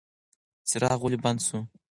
څراغ ولې بند شو؟